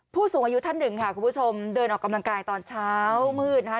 ผู้สูงอายุท่านหนึ่งค่ะคุณผู้ชมเดินออกกำลังกายตอนเช้ามืดนะคะ